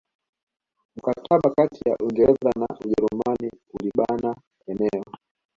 Mkataba kati ya Uingereza na Ujerumani ulibana eneo